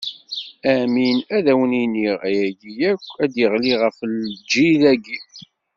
Amin, ad wen-iniɣ: ayagi akk ad d-iɣli ɣef lǧil-agi.